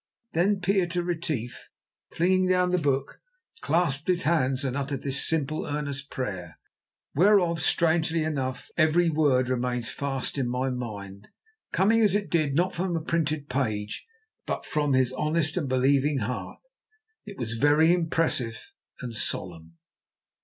Then Pieter Retief, flinging down the book, clasped his hands and uttered this simple, earnest prayer, whereof, strangely enough, every word remains fast in my mind. Coming as it did, not from a printed page, but from his honest and believing heart, it was very impressive and solemn.